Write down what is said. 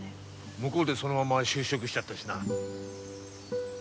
向こうでそのまま就職しちゃったしな。